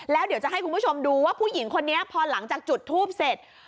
แล้วเดี๋ยวจะให้คุณผู้ชมดูว่าผู้หญิงคนนี้พอหลังจากจุดทูบเสร็จ